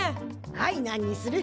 はいなんにする？